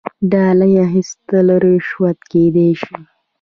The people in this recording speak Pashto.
ډالۍ اخیستل رشوت کیدی شي